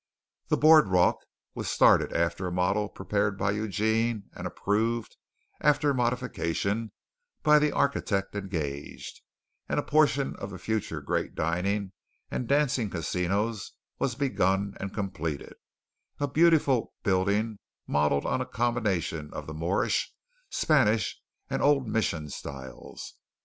The boardwalk was started after a model prepared by Eugene, and approved after modification by the architect engaged, and a portion of the future great dining and dancing casinos was begun and completed, a beautiful building modeled on a combination of the Moorish, Spanish and Old Mission styles.